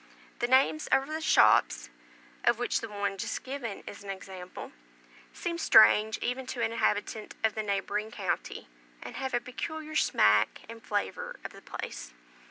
The names over the shops (of which the one just given is a sample) seem strange even to an inhabitant of the neighbouring county, and have a peculiar smack and flavour of the place.